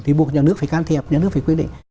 thì buộc nhà nước phải can thiệp nhà nước phải quy định